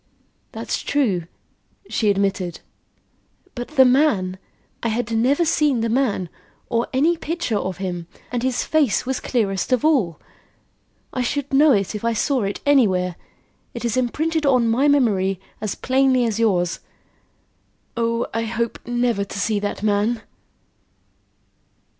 "That's true," she admitted. "But the man! I had never seen the man, or any picture of him, and his face was clearest of all. I should know it if I saw it anywhere. It is imprinted on my memory as plainly as yours. Oh, I hope never to see that man!"